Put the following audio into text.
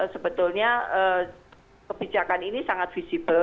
sebetulnya kebijakan ini sangat visible